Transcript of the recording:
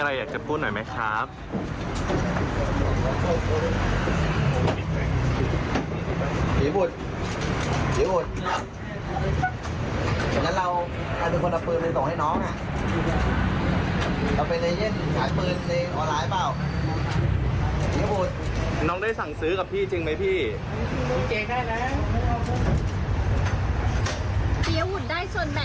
ปียบุตรได้ส่วนแหม่งจากการขายเป็นเปอร์เซ็นต์ด้วยใช่ไหมคะ